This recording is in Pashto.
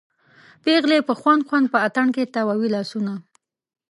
پیغلې په خوند خوند په اتڼ کې تاووي لاسونه